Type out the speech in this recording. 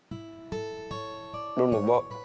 belum bu bo